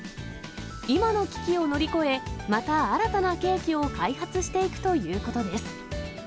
今の危機を乗り越え、また新たなケーキを開発していくということです。